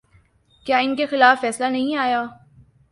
کیا ان کے خلاف فیصلہ نہیں آیا؟